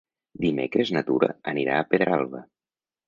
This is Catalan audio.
Dimecres na Tura anirà a Pedralba.